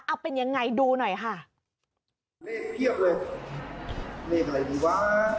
เอาเป็นยังไงดูหน่อยค่ะ